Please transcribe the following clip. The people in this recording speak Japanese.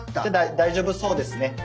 大丈夫そうですね。